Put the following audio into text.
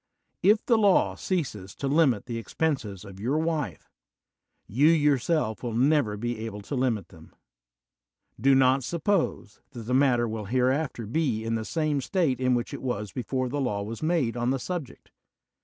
If the law ceases to limil the expenses of your wife, you yourself will never be able to limit them. Do not suppose that the matter will hereafter be in the same state in which it was before the law was made on the subject.